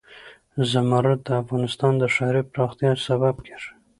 زمرد د افغانستان د ښاري پراختیا سبب کېږي.